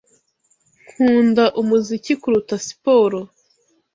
Nkunda umuziki kuruta siporo.